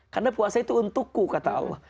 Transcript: karena puasa itu untukku kata allah